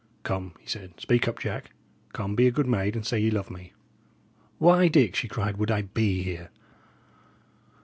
"Come," he said, "speak up, Jack. Come, be a good maid, and say ye love me!" "Why, Dick," she cried, "would I be here?"